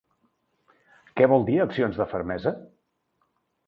Què vol dir ‘accions de fermesa’?